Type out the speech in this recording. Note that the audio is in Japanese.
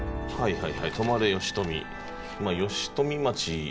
はい。